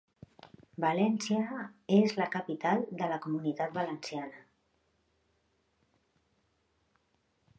València és la capital de la Comunitat Valenciana.